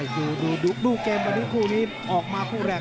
ดูเกมวันนี้คู่นี้ออกมาคู่แรก